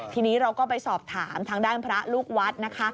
ทีนี้เราก็ไปสอบถามทางด้านพระลูกวัดนะคะ